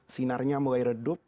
sinarnya mulai redup